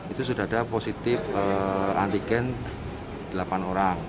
itu sudah ada positif antigen delapan orang